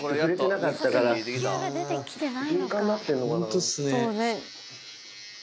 ホントっすね。